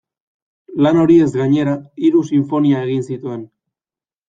Lan horiez gainera, hiru sinfonia egin zituen.